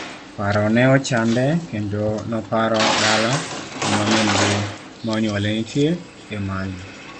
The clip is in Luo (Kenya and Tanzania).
Paro ne ochande kendo noparo dala kuma min gi ma onyuole nitie, Emali.